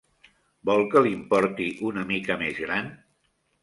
Vol que li'n porti una mica més gran?